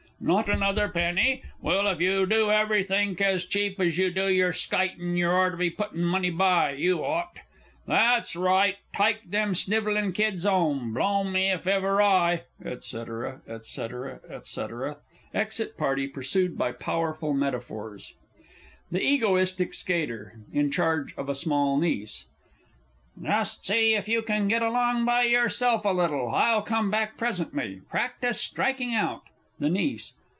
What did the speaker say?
"Not another penny?" Well, if you do everythink as cheap as you do yer skiting, you orter be puttin' money by, you ought! That's right, tyke them snivellin' kids 'ome blow me if ever I &c., &c., &c. [Exit party, pursued by powerful metaphors. THE EGOTISTIC SKATER (in charge of a small NIECE). Just see if you can get along by yourself a little I'll come back presently. Practise striking out. THE NIECE.